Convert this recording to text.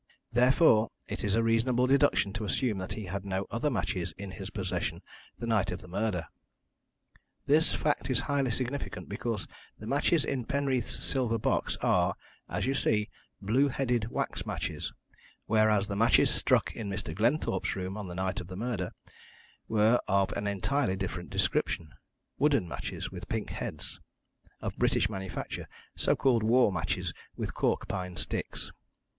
Therefore, it is a reasonable deduction to assume that he had no other matches in his possession the night of the murder. "This fact is highly significant, because the matches in Penreath's silver box are, as you see, blue headed wax matches, whereas the matches struck in Mr. Glenthorpe's room on the night of the murder were of an entirely different description wooden matches with pink heads, of British manufacture so called war matches, with cork pine sticks.